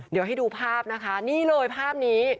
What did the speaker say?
เดี๋ยวให้ดูภาพนะคะนี่เลยภาพนี้